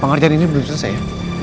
penghargaan ini belum selesai